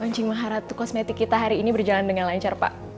panci mahar kosmetik kita hari ini berjalan dengan lancar pak